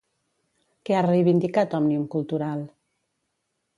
Què ha reivindicat Òmnium Cultural?